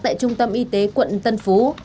tại trung tâm y tế quận tân phú